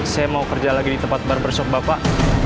saya mau kerja lagi di tempat barbershop bapak